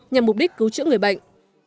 nhằm mục đích cứu chữa người bệnh